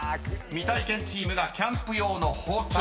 ［未体験チームがキャンプ用の包丁］